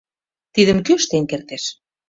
Тидым кӧ ыштен кертеш?